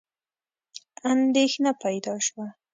اندېښنه پیدا شوه.